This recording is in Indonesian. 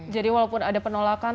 jadi walaupun ada penolakan